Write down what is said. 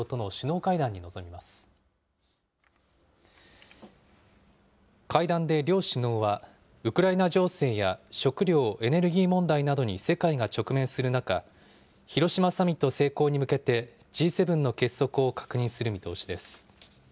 会談で両首脳はウクライナ情勢や食料・エネルギー問題などに世界が直面する中、広島サミット成功に向けてＧ７の結束を確認する見通しです。